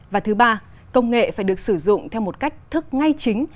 và thứ ba công nghệ phải được sử dụng theo một cách thức ngay chính